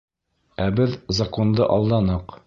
Ә беҙ закунды алданыҡ!